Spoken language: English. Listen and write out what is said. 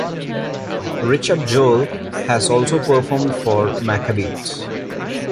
Richard Joel has also performed for the Maccabeats.